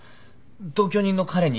同居人の彼に？